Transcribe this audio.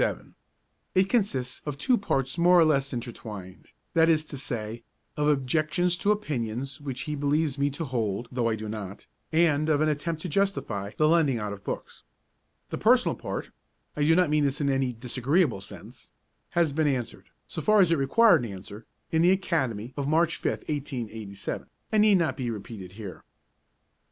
It consists of two parts more or less intertwined, that is to say, of objections to opinions which he believes me to hold though I do not, and of an attempt to justify the lending out of books. The personal part (I do not mean this in any disagreeable sense) has been answered, so far as it required an answer, in the Academy of March 5, 1887, and need not be repeated here.